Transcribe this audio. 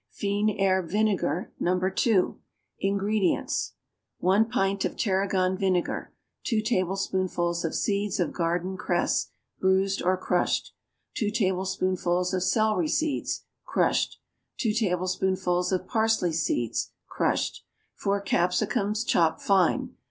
=Fines Herbes Vinegar, No. 2.= INGREDIENTS. 1 pint of tarragon vinegar. 2 tablespoonfuls of seeds of garden cress, bruised or crushed. 2 tablespoonfuls of celery seeds, crushed. 2 tablespoonfuls of parsley seeds, crushed. 4 capsicums, chopped fine.